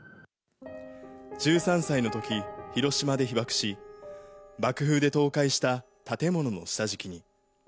１３歳のとき、広島で被爆し、爆風で倒壊した建物の下敷きに。